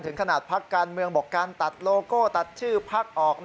ถึงขนาดภักดิ์การเมืองบอกการตัดโลโก้ตัดชื่อภักดิ์ออก